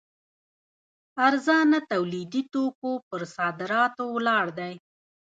ارزانه تولیدي توکو پر صادراتو ولاړ دی.